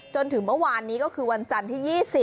จนถึงเมื่อวานนี้ก็คือวันจันทร์ที่๒๐